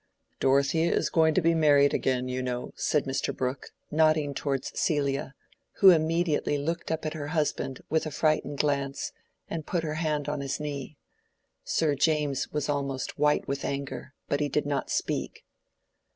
"Dorothea is going to be married again, you know," said Mr. Brooke, nodding towards Celia, who immediately looked up at her husband with a frightened glance, and put her hand on his knee. Sir James was almost white with anger, but he did not speak.